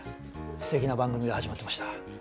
すてきな番組が始まってました。